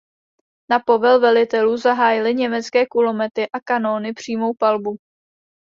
Na povel velitelů zahájili německé kulomety a kanóny přímou palbu.